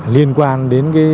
liên quan đến